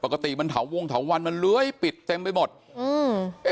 ปกติมันเถาวงเถาวันมันเลื้อยปิดเต็มไปหมดอืม